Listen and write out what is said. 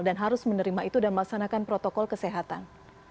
harus menerima itu dan melaksanakan protokol kesehatan